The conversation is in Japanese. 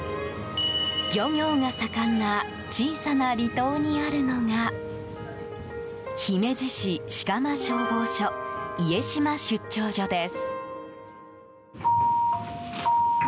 漁業が盛んな小さな離島にあるのが姫路市飾磨消防署家島出張所です。